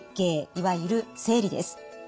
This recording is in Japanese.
いわゆる生理です。